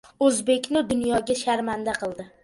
Oʻzbekni dunyoga sharmanda qildi.